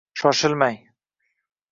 Shoshilmang.